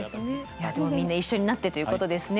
いやでもみんな一緒になってということですね。